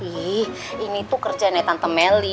ih ini tuh kerjaan ya tante melly